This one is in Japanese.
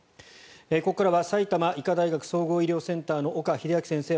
ここからは埼玉医科大学総合医療センターの岡秀昭先生